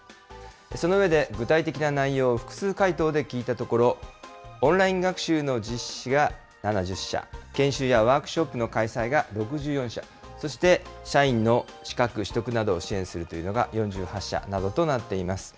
その上で、具体的な内容を複数回答で聞いたところ、オンライン学習の実施が７０社、研修やワークショップの開催が６４社、そして社員の資格取得などを支援するというのが４８社などとなっています。